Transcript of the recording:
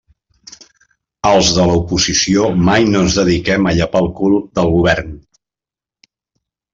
Els de l'oposició mai no ens dediquem a llepar el cul del Govern.